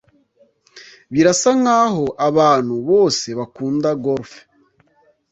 birasa nkaho abantu bose bakunda golf